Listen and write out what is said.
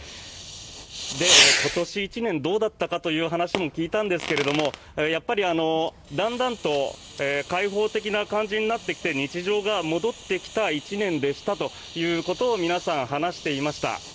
今年１年どうだったかという話も聞いたんですがやっぱりだんだんと開放的な感じになってきて日常が戻ってきた１年でしたということを皆さん、話していました。